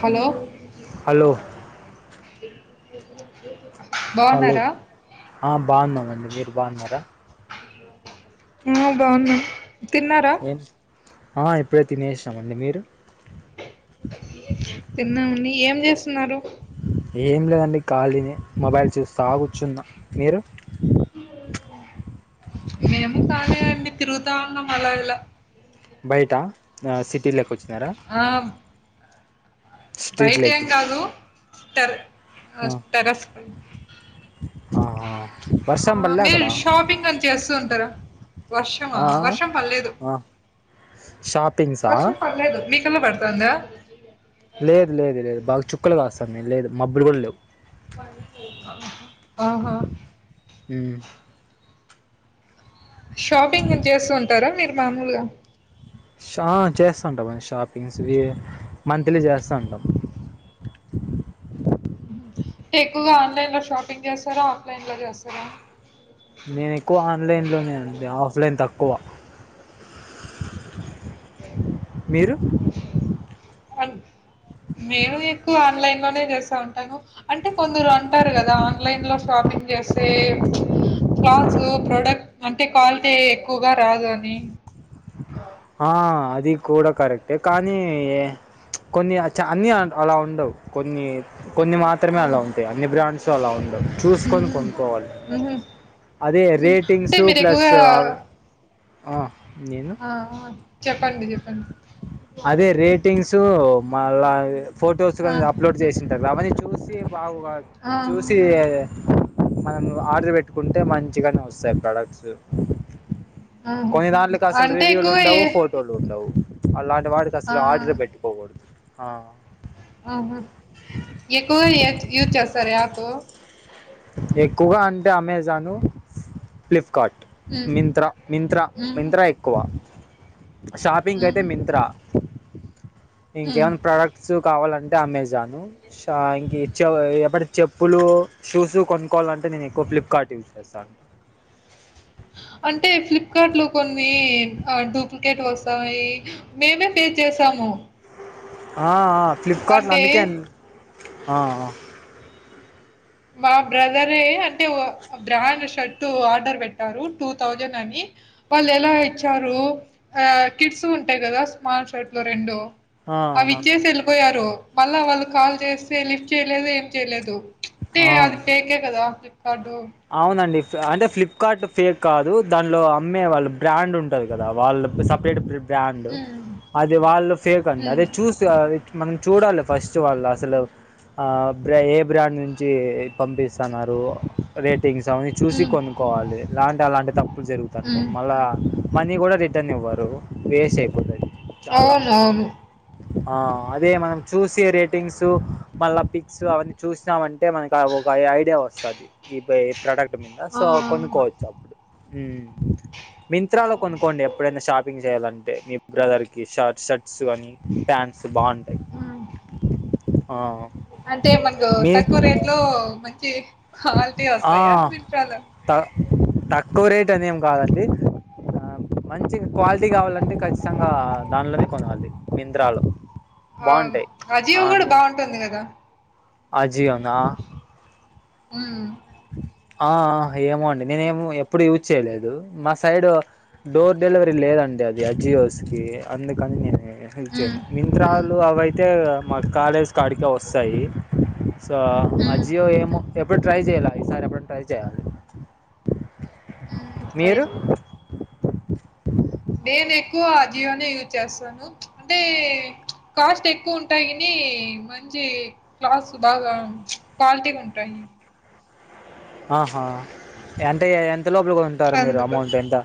Hello hello hello బాగున్నారా ఆ బావున్నామండి మీరు బావున్నారా ఆ బావున్నా తిన్నారా ఆ ఎప్పుడే తినేసినామండి మీరు తిన్నామండి ఏం చేస్తున్నారు ఏం లేదండి ఖాళీనే మొబైల్ చూస్తా కూర్చున్నా మీరు మేమూ ఖాళీయే అండి తిరుగుతా ఉన్నాం అలా ఇలా బయటా ఆ సిటీలేకి వచ్చినారా ఆ బయట ఏం స్ట్రీట్లోకి కాదు టర్ ఆ టెరస్ పై ఆహా హా వర్షం పల్లే మీరు అక్కడ షాపింగ్ అని చేస్తూ ఉంటారా వర్షమా ఆ వర్షం పడ్లేదు షాపింగ్స్ వర్షం పడలేదు మీకల్ల పడతాందా లేదు లేదు లేదు బాగా చుక్కలు కాస్తాంది లేదు మబ్బులు కూడా లేవు ఆహా ఊ షాపింగ్ అని చేస్తూ ఉంటారా మీరు మామూలుగా షా చేస్తా ఉంటాం అ షాపింగ్స్ కి మంత్లీ చేస్తా ఉంటాం టెక్కువగా ఆన్లైన్ లో షాపింగ్ చేస్తారా ఆఫ్లైన్ లో చేస్తారా నేను ఎక్కువ ఆన్లైన్ లోనే అండి ఆఫ్లైన్ తక్కువ మీరు అన్ మేమూ ఎక్కువ ఆన్లైన్ లోనే చేస్తా ఉంటాను అంటే కొందురు అంటారు కదా ఆన్లైన్ లో షాపింగ్ చేస్తే క్లాత్స్ ప్రొడక్ అంటే క్వాలిటీ ఎక్కువగా రాదు అని ఆ అది కూడా కరెక్టే కానీ ఏ చ్ కొన్ని చా అన్ని అలా ఉండవు కొన్ని కొన్ని మా మాత్రమే ఆ అలా ఉంటాయి అన్ని బ్రాండ్స్ అలా ఉండవు చూసుకొని ఉహు కొనుక్కోవాలి ఉహు అదే అంటే రేటింగ్సు మీరు ప్లస్ ఎక్కువగా ఆ నేను ఆ ఆ చెప్పండి చెప్పండి అదే రేటింగ్స్ మళ్ళ అదే ఫొటోస్ ఆ కానీ అప్లోడ్ చేసినంటారు అవన్నీ చూసి బా ఆ చూసి మనం ఆర్డర్ పెట్టుకుంటే మంచిగానే వస్తాయి ప్రోడక్ట్స్ ఆహా కొన్ని దాంట్కి అసలు అంటే రివ్యూలు ఎక్కువ ఏ ఉండవు ఫోటోలు ఉండవు అలాంటి వాటికి ఆ అసలు ఆర్డర్ పెట్టుకోకూడదు ఆహ ఎక్కువ ఎది యూజ్ చేస్తారు యాప్ ఎక్కువగా అంటే అమెజాను ఫ్లిప్కార్ట్ ఉమ్ మింత్ర మింత్రా ఉహు మింత్ర ఎక్కువ షాపింగ్ అయితే ఉహు మింత్రా ఉమ్ ఇంకేమనా ప్రోడక్ట్ స్ కావాలంటే అమెజాను ష ఇంక చె ఎప్పటి చెప్పులు షూస్ కొనుకోవాలంటే నేను ఎక్కువ ఫ్లిప్కార్ట్ యూజ్ చేస్తాను అంటే ఫ్లిప్కార్ట్ లో కొన్ని ఆ డూప్లికేట్ వస్తాయి మేమే పే చేసాము ఆ ఆ ఫ్లిప్కార్ట్లో అంటే అందుకే ఆ మా బ్రదరే అంటే బ్రాండ్ షర్ట్ ఆర్డర్ పెట్టారు టూ థౌజండ్ అని వాళ్ళు ఎలా ఇచ్చారు ఆ కిట్స్ ఉంటాయి కదా స్మార్ల్ షైట లో రెండు ఆ, అవి ఆ, ఇచ్చేసి వెళ్ళిపోయారు మళ్ళా వాళ్ళు కాల్ చేస్తే లిఫ్ట్ చేయలేదు ఏం చేయలేదు అంటే అది ఆ. ఫేకే కదా ఫ్లిప్కార్ట్ అవునండి అంటే ఫ్లిప్కార్ట్లో ఫేక్ కాదు దానిలో అమ్మే వాళ్ళు బ్రాండ్ ఉంట ఉంటది కదా వాళ్ళు సపరేట్ బ్రాండ్ హ్మ్. అది వాళ్ళు ఫేక్ అండి హ్మ్. అదే చూసి మనం చూడాలి ఫస్ట్ వాళ్ళు అసలు ఆ బ్ర ఏ బ్రాండ్ నుంచి పంపిస్తున్నారు రేటింగ్స్ అవన్న చూసి హ్మ్. కొనుక్కోవాలి ఇలాంటి అలాంటి తప్పులు జరుగుతంటాయి హ్మ్. మళ్ళా మనీ కూడా ర రిటర్న్ ఇవ్వరు వేస్తే అయిపోతది చాలా అవునవును. ఆ అదే మనం చూసే రేటింగ్స్ మళ్ళా పిక్స్ అవన్నీ చూసినామంటే అంటే మనకి ఒక ఐ ఐడియా వస్తుది ఈ పయి ప్రోడక్ట్ మీద ఆ! సో కొనుకోవచ్చు అప్పుడు మింత్రాలో అవును. కొనుక్కోండి ఎ ఎప్పుడైనా షాపింగ్ చేయ్యాలంటే మీ బ్రదర్ కి షర్ట్ షర్ట్స్ కానీ ప్యాంట్స్ అస్ బాగుంటాయి హ్మ్ అంటే మనకు మీ తక్కువ రేట్ లో మంచి క్వాలిటీ ఆ వస్తాయా? మింత్రాలో? త తక్కువ రేట్ అనేం కాదండి ఆ మంచి క్వాలిటీ కావాలంటే ఖచ్చితంగా దానిలోనే కొనలి మింత్రాలో అవును బాగుంటాయి అజీఓ కూడా బాగుంటుంది కదా అజీఓ నా ఉమ్ ఆ ఏమో అండి నేను ఏమ ఎప్పుడు యూజ్ చేయలేదు మా సైడ్ డోర్ డెలివరీ లేదండి అది అజియోస్ కి అందుకని హ్మ్. మింత్రాలు అవయితే మా కాలేజ్ కాడికే వస్తాయి సో ఆ హ్మ్. జియో ఏమో ఎప్పుడు ట్రై చేయాల ఈసారి ఎప్పుడు ట్రై చేయ్యాలి హ్మ్. ట్రై మీరు జెయి. నేను ఎక్కువ ఆ జియోనే యూజ్ చేస్తాను అంటే కాస్ట్ ఎక్కువ ఉంటాయి అని మంచి క్లాస్ బాగా క్వాలిటీగా ఉంటాయి ఆహా అంటే ఎంత లోపల కొంటారు మీరు అందుకు. అమౌంట్ ఎంత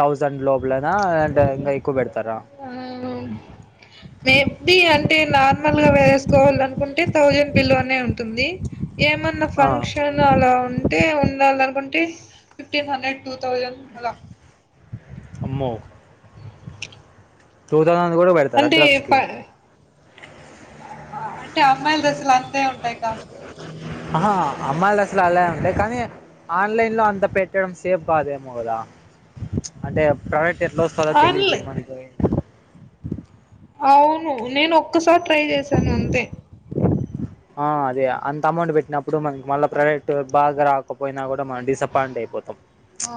థౌజండ్ లోపల లోన అండ్ ఇంకా ఎక్కువ పెడతారా హ్మ్ మేబి అంటే నార్మల్ గా వేసుకోవాల అనుకుంటే థౌజండ్ బిలో నే ఉంటుంది ఏమన్నా ఆ ఫంక్షన్ అలా ఉంటే ఉండాల అనుకుంటే ఫిఫ్టీన్ హండ్రెడ్ టూ థౌజండ్ అలా అమ్మో టూ థౌసండ్ కూడా పెడతారా అంటే ఫ డ్రస్కి అంటే అమ్మాయిల డ్రెస్ లు అంతే ఉంటాయి కాస్ట్ ఆహా అమ్మాయిలు అసలు అలా ఉంటాయి కానీ ఆన్లైన్ లో అంత పెట్టడం సేఫ్ కాదేమో కదా అంటే ప్రోడక్ట్ ఎట్లా వస్తుందో తెలీదు ఆన్లై మనకి అవును నేను ఒక్కసారి ట్రై చేశాను అంతే ఆ అదే అంత అమౌంట్ పెట్టినప్పుడు మనకి మళ్ళా ప్రొడక్ట్ బాగా రాకపోయినా కూడా మనం డిస్ పాయింట్ అయిపోతాం ఆ!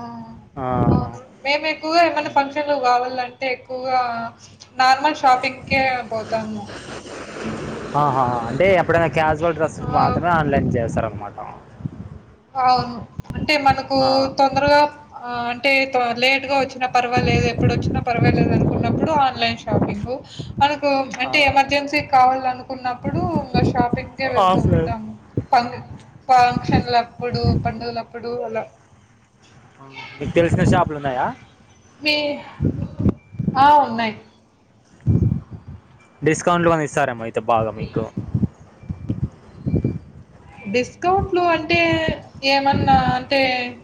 ఆ అవును. మేము ఎటూ ఏమన్నా ఉమ్. ఫంక్షన్లు కావాలంటే ఎక్కువగా నార్మల్ షాపింగ్కే పోతాము ఆహా హా అంటే ఎప్పుడైనా క్యాజువల్ డ్రెస్సులు ఆ! మాత్రమే ఆన్లైన్ చేస్తారన్నమాట అవును అంటే మనకు తొందరగా ఆ అంటే లేట్ గా వచ్చినా పర్వాలేదు ఎప్పుడు వచ్చినా పర్వాలేదు అనుకున్నప్పుడు ఆన్లైన్ షాపింగు మనకి ఆ, అంటే ఎమర్జెన్సీ కావాలి అనుకున్నప్పుడు ఇంకా షాపింగ్ కే వెళ్తూ ఆఫ్లైన్ ఉంటాము ఫం ఫంక్షన్లప్పుడు పండుగలప్పుడు అలా మీకు తెలిసిన షాపులు ఉన్నాయా మీ ఆ ఉన్నాయి డిస్కౌంట్ లోని ఇస్తారేమో అయితే బాగా మీకు డిస్కౌంట్లు అంటే ఏమన్నా అంటే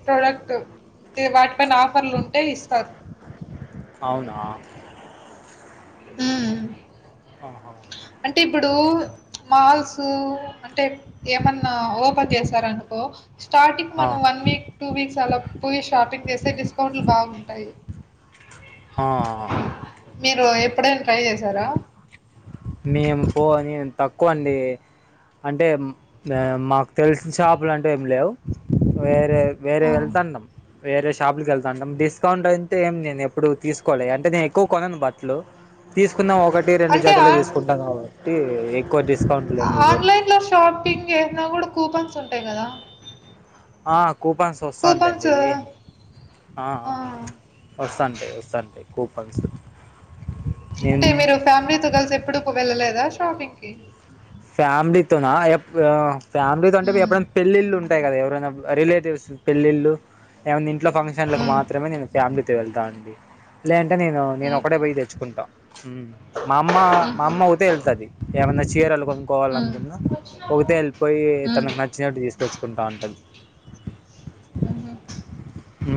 ప్రోడక్ట్ వాటిపైన ఆఫర్లు ఉంటే ఇస్తారు అవునా హ్మ్ ఆహా అంటే ఇప్పుడు మాల్స్ అంటే ఏమన్నా ఓపెన్ చేసారనుకో స్టార్టింగ్ ఆ, మనం వన్ వీక్ టూ వీక్స్ అలా పోయి షాపింగ్ చేస్తే డిస్కౌంట్లు బాగుంటాయి ఆ మీరు ఎప్పుడైనా ట్రై చేశారా మేము పో అని తక్కువ అండి అంటే మాకు తెలిసిన షాపులు అంటూ ఏమి లేవు వేరే వేరే ఆ వెళ్లతంటం వేరే షాప్లకి వెళ్తుా ఉంటాం డిస్కౌంట్ అంటే ఏమి నేను ఎప్పుడు తీసుకోలే అంటే నేను ఎక్కువ కొనను బట్టలు తీసుకున్నా ఒకటి రెండు అంటే ఆ జతలే తీసుకుంటాం కాబట్టి కొ డిస్కౌంట్ ఆన్లైన్ లో షాపింగ్ చేసిన కూడా కూపన్స్ ఉంటాయి కదా ఆ కూపన్స్ కూపన్స్ వస్తాంటయయి ఆ వస్తాంటాయి వస్తాంటాయి కూపన్స్ అంటే నేను మీరు ఫ్యామిలీతో కలిసి ఎప్పుడు వెళ్ళలేదా షాపింగ్ కి ఫ్యామిలీతోనా ఆ ఏప్ ఫ్యామిలీతో అంటే ఉమ్, ఎప్పుడైనా పెళ్ళిళ్ళు ఉ ఉంటాయి కదా ఏవరైనా రిలేటివ్స్ పెళ్ళిల్లు ఏముంది ఇంట్లో ఫంక్షన్లకు ఉమ్, మాత్రమే నేను ఫ్యామిలీతో వెళ్తాను అండి లేదంటే నేను నేను ఉమ్, ఒక్కడే పోయి తె చ్చుకుంటాం మా అమ్మ ఉమ్, మా అమ్మ ఊతే వెళ్తది ఏమైన్నా చీరలు కొన్ ఉమ్, ఉమ్, కోవాలనుకున్న ఒకతే వెళ్ళిపోయి ఉమ్, తనకు నచ్ చ్చినట్టు తీసుకొచ్చుకుంటాంటది ఉమ్. ఊ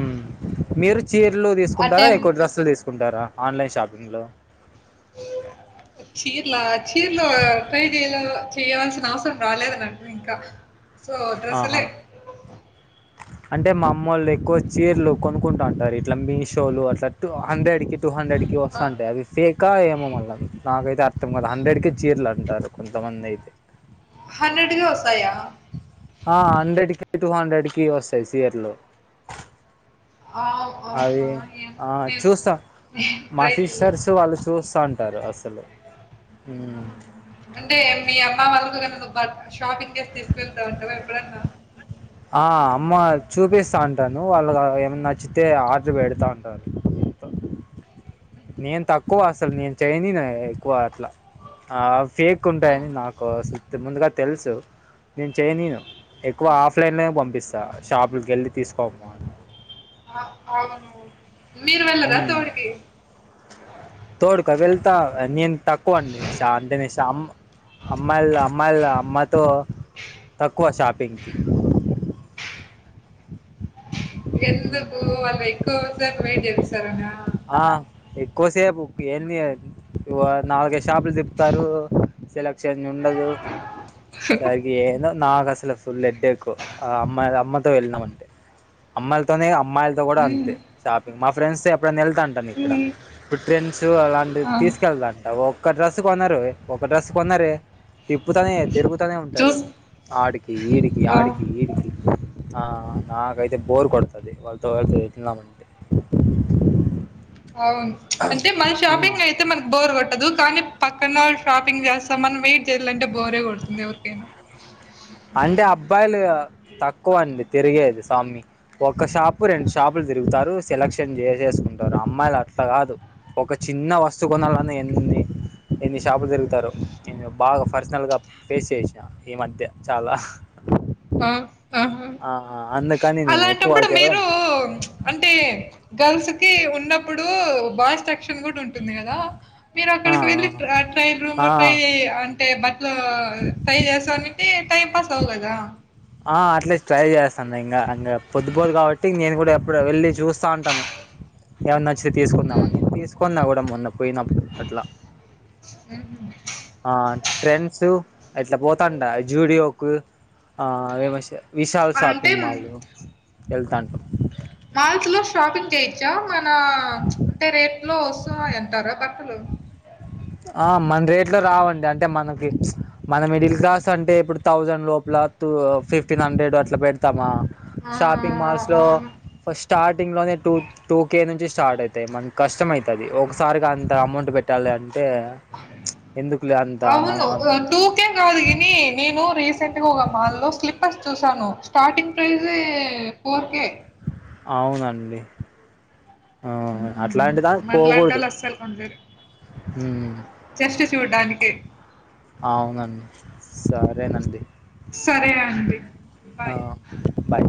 మీరు చీర్లు తీసుకుంటారా అంటే ఎక్కువ డ్రెస్లు తీసుకుంటారా ఆన్లైన్ షాపింగ్ లో చీరల చీరలు ట్రై చేయలేదు చేయవల్సిన అవసరం రాలేదు నకు ఇంకా ఆహా ఓ అంటే మా అమ్మ వాళ్ళు ఎక్కువ చీరలు కొనుకుంటు ఉంటారు ఇట్లా మీషోలు అట్లా హండ్రెడ్ కి టూ హండ్రెడ్ కి ఇవి ఆ! వస్తాంటయ్ అవి ఫెకా ఏమో మళ్ళ నాకైతే అర్థం కదా హండ్రెడ్ కి చీరలు అంటారు కొంతమంది అయితే హండ్రెడ్ కి వసాయా ఆ హండ్రెడ్ కి టూ హండ్రెడ్ కి వస్తాయి సియర్ లు ఆవ్ అది ఆ చూస్తా నేను మా ట్రై చేయలేదు. సిస్టర్స్ వాళ్ళు చూస్తాంటారు అసలు ఊ ఆహా! అంటే మీ అమ్మ మరదలను బ షాపింగ్ చేసి తీసుకువెళ్తావుంటార ఎప్పుడన్నా ఆ అమ్మ చూపిస్తా ఉంటాను వాళ్ళ ఏమన్నా నచ్చితే ఆర్డర్ పెడతా ఉంటాారు నేను తక్కువ అసలు నేను చేయనియను ఎక్కువ అట్లా ఆ ఫేక్ ఆహా! ఉంటాయని నాకు సుతి ముందుగా తెలుసు నేను చేయనిను ఎక్కువ ఆఫ్లైన్ లో పంపిస్తా షాపులకు వెళ్ళి తీసుకో పో అని అవును మీరు వెెళ్ళర తోడికి తోడుక వెళ్తా నేను తక్కువ అండి శామ్ దీని శామ్ అమ్మాయిల అమ్మాయిలు అమ్మతో తక్కువ షాపింగ్ కి ఎందుకు వాళ్ళు ఎక్కువ సేపు వెయిట్ చేపిసారనా ఆ ఎక్కువసేపు ఏంది అది ఇగ నాలుగైదు షాపులు తిప్తారు సెలక్షన్ ఉండదు సరి ఏదో నాకు అసలు ఫుల్ హడ్డకు ఆ అమ్మాయి అమ్మతో వెళ్ళినాం అంటే అమ్మాయిలతోనే అమ్మాయిల్ కూడా హ్మ్. అంతే షాపింగ్ మా ఫ్రెండ్స్ తొ ఎప్పుడైనా వెళ్తా ఉంటాను ఇక్కడ హ్మ్. ఇప్పుడు ట్రెండ్స్ అలా ఆ! తీసుకెళ్ళదంట ఒక్క డ్రెస్ కొన్నారు ఒక డ్రెస్ కొన్నారే తిప్పుతనే తిరుగు నే ఉంటారు చూస్ ఆడికి ఈడికి ఆ! ఆడికి ఈడికి ఆ నాకైతే బోర్ కొడుతుది వాళ్ళతో ఎటైనా వెతున్నామంటే అవును అంటే మన షాపింగ్ అయితే మనకు బోర్ కొట్ చదు కానీ పక్కన వాళ్ళు షాపింగ్ చేస్తా మనం వెయిట్ చేయాలంటే బోరే కొడుతుంది ఎవరికైనా అంటే అబ్బాయిలు తక్కువ అండి తిరిగేది స్వామి ఒక్క షాపు రెండు షాపులు తిరుగుతారు సెలక్షన్ చేసేసుకుంటారు. అమ్మాయిలు అట్లా కాదు. ఒక చిన్న వస్తువు కొనాలన్నా ఎన్ని షాపులు తిరుగుతారో. నేను బాగా పర్సనల్ గా ఫేస్ చేసా ఈ మధ్య చాలా ఆ ఆహా! ఆ అందుకని నేను ఎక్కువ అలాంటప్పుడు మీరూ? తిరగను అంటే గర్ల్స్ కి ఉన్నప్పుడు బాయ్స్ సెక్షన్ కూడా ఉంటుంది కదా. మీరు ఆ అక్కడికి వెళ్ళి ట్రైల్ రూమ్ ఆ లో ట్రై అంటే బట్టలు ట్రై చేస్తాని అంటే టైం పాస్ అవు గదా ఆ అట్లే ట్రై చేస్తాను ఇంకా పొద్దు పోదు కాబట్టి నేను కూడా ఎప్పుడు వెళ్ళి చూస్తా ఉంటాను. ఎవన్న నచ్చితే తీసుకుందామని తీసుకన్నా కూడా మొన్న పోయిన అ ఆ ట్రెండ్స్ అట్లా పోతాంట జూడియోకు ఆ విశాల్ అంటే షాపింగ్ మాల్ కు వెళ్తాంటాం. మాల్స్ లో షాపింగ్ చేయోచ్చా మన అంటే రేట్ లో వస్తున్నాయి అంటారా బట్టలు. ఆ మన రేట్ లో రావండి. అంటే మనకి మన మిడిల్ క్లాస్ అంటే ఇప్పుడు థౌసండ్ లోపల టూ ఫిఫ్టీన్ హండ్రెడ్ అట్లా పెడతామా? ఆ షాపింగ్ మాల్స్ లో అవును ఫస్ట్ స్టార్టింగ్ లోనే టూ. టూ కే నుంచి స్టార్ట్ అయితాయి. కష్టమైతాది. ఒకసారిగా అంత అమౌంట్ పెట్టాలి అంటే. ఎందుకులే అంత అని అనుకుంటాం. ఇంకేం కాదు కాని నేను రీసెంట్ గా ఒక మాల్లో స్లిప్పర్స్ చూసాను స్టార్టింగ్ ప్రైజే. ఫోర్ కే. అవునండి. అట్లాంటి దానికి మన పోకూడదు లాంటోళ్ళు ఆసలు కొనలేరు. ఉమ్. జస్ట్ చూడ్డానికే. అవునండి సరేనండి. సరే అండి. ఆ బాయ్ బాయ్.